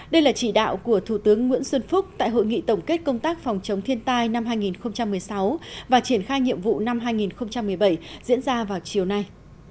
đây là chỉ đạo của thủ tướng nguyễn xuân phúc tại hội nghị tổng kết công tác phòng chống thiên tai năm hai nghìn một mươi sáu và triển khai nhiệm vụ năm hai nghìn một mươi bảy diễn ra vào chiều nay